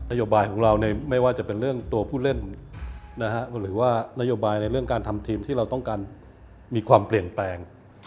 โยบายของเราไม่ว่าจะเป็นเรื่องตัวผู้เล่นหรือว่านโยบายในเรื่องการทำทีมที่เราต้องการมีความเปลี่ยนแปลง